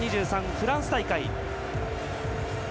フランス大会。